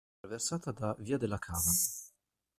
È attraversata da "Via della Cava".